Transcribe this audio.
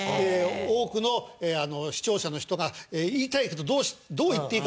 多くの視聴者の人が言いたいけどどう言っていいかわかんない。